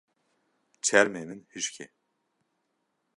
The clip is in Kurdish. Çermê min hişk e.